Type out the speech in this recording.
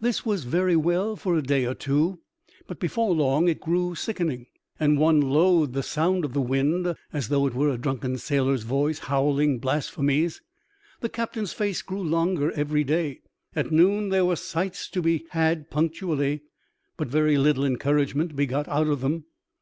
This was very well for a day or two ; but before long it grew sickening, and one loathed the sound of the wind as though it were a drunken sailor's voice howling blasphemies. The captain's face grew longer every day. At noon there were sights to be had punctually, but very little encouragement to be got out of them.